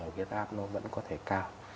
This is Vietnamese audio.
huyết áp nó vẫn có thể cao